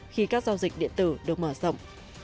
khi các giao dịch điện tử được mở rộng